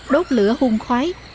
đốt lửa hung khoái